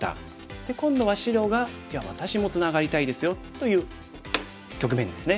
で今度は白が「じゃあ私もツナがりたいですよ」という局面ですね。